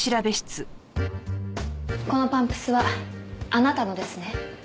このパンプスはあなたのですね？